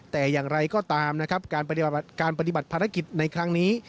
แต่อย่างไรก็ตามนะครับการปฏิบัติภารกิจในครั้งนี้